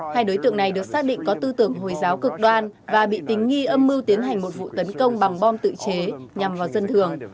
hai đối tượng này được xác định có tư tưởng hồi giáo cực đoan và bị tình nghi âm mưu tiến hành một vụ tấn công bằng bom tự chế nhằm vào dân thường